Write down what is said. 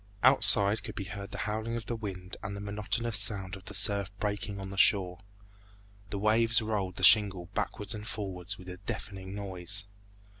Outside could be heard the howling of the wind and the monotonous sound of the surf breaking on the shore. The waves rolled the shingle backwards and forwards with a deafening noise.